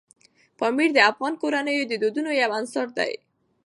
پامیر د افغان کورنیو د دودونو یو عنصر دی.